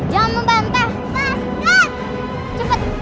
jangan lupa untuk berikan duit